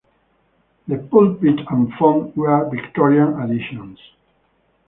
The pulpit and font were Victorian additions.